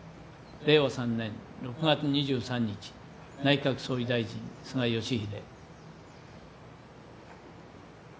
令和３年６月２３日内閣総理大臣菅義偉。